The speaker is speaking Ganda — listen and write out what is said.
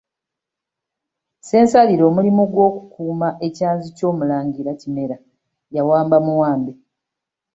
Ssensalire omulimu gw’okukuuma ekyanzi ky’omulangira Kimera yawamba muwambe.